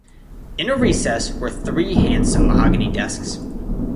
In a recess were three handsome mahogany desks.